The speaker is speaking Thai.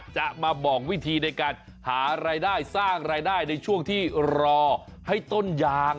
จะมาบอกวิธีในการหารายได้สร้างรายได้ในช่วงที่รอให้ต้นยาง